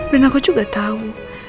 dan aku juga tahu